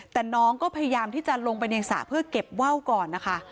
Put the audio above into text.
แต่น้องก็พยายามที่จะลงไปในสระเพื่อเก็บว่าวก่อนนะคะ